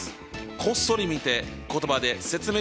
こっそり見て言葉で説明してね。